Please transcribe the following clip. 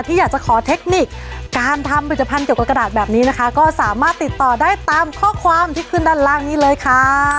อยากจะขอเทคนิคการทำผลิตภัณฑ์เกี่ยวกับกระดาษแบบนี้นะคะก็สามารถติดต่อได้ตามข้อความที่ขึ้นด้านล่างนี้เลยค่ะ